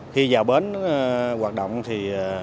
khi vào bến hoạt động thì